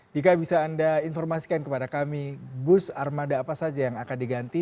dika bisa anda informasikan kepada kami bus armada apa saja yang akan diganti